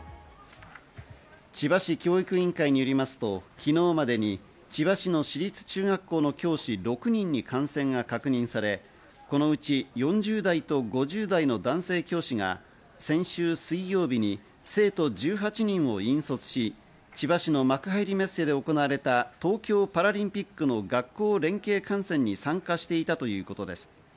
千葉市教育委員会によりますと、昨日までに千葉市の市立中学校の教師６人に感染が確認され、このうち４０代と５０代の男性教師が先週水曜日に生徒１８人を引率し、千葉市の幕張メッセで行われた東京パラリンピックの学校連携観戦に参加していたということです。